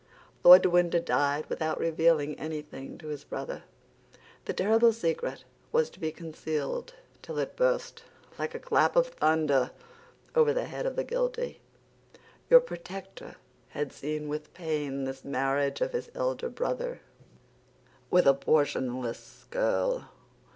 "Lord de Winter died without revealing anything to his brother. The terrible secret was to be concealed till it burst, like a clap of thunder, over the head of the guilty. Your protector had seen with pain this marriage of his elder brother with a portionless girl.